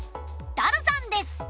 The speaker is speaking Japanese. ダルさんです。